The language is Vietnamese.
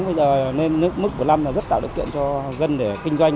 bây giờ nên mức của năm rất tạo được tiện cho dân để kinh doanh